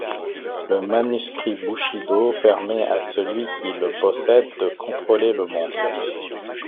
Le manuscrit Bushido permet à celui qui le possède de contrôler le monde.